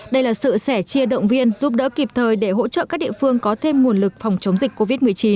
đây là sự sẻ chia động viên giúp đỡ kịp thời để hỗ trợ các địa phương có thêm nguồn lực phòng chống dịch covid một mươi chín